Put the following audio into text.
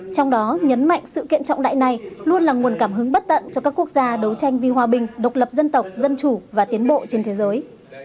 trong đó nhấn mạnh sự kiện trọng đại này luôn là nguồn cảm hứng bất tận cho các quốc gia đấu tranh vì hòa bình độc lập dân tộc dân chủ và tiến bộ trên thế giới